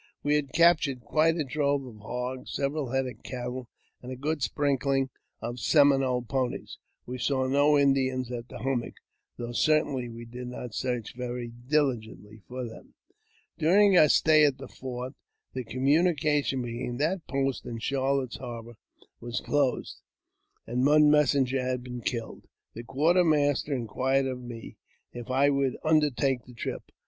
We had captured quite a drove of hogs, several head of cattle, and a good sprinkling of Seminole ponies. We saw no Indians at the hummock, though certainly we did not search veiy diligently for them. During our stay at the fort, the communication between that post and Charlotte's Harbour was closed, and one messenger had been killed. The quartermaster inquired of me if I would undertake the trip.